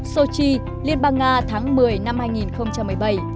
sochi liên bang nga tháng một mươi năm hai nghìn một mươi bảy